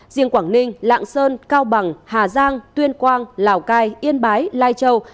riêng quảng ninh lạng sơn cao bằng hà giang tuyên quang lào cai yên bái lai châu